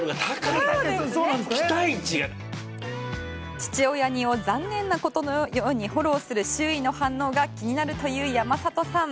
父親似を残念なことのようにフォローする周囲の反応が気になるという山里さん。